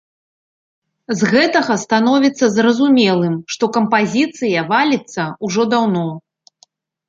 З гэтага становіцца зразумелым, што кампазіцыя валіцца ўжо даўно.